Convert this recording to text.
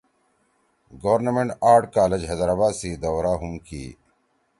گورنمنٹ آرٹ کالج حیدرآباد سی دورا ہُم کی